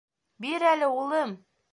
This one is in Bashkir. — Бир әле, улым.